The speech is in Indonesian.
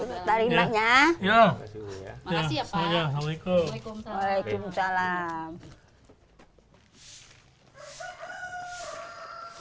assalamualaikum waalaikumsalam waalaikumsalam waalaikumsalam